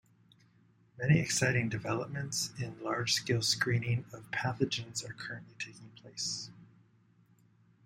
Many exciting developments in large-scale screening of pathogens are currently taking place.